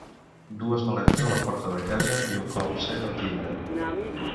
Dues maletes a la porta de casa i un colp sec al timbre.